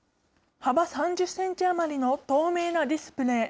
幅３０センチ余りの透明なディスプレー。